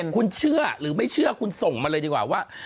คุณเชื่อหรือไม่เชื่อคุณส่งมาเลยดีกว่าว่า